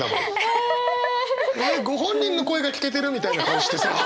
えっご本人の声が聞けてるみたいな顔してさ。